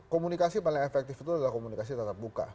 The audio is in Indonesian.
komunikasi paling efektif itu adalah komunikasi tetap buka